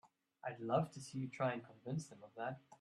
I'd love to see you try and convince them of that!